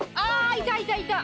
いたいたいた！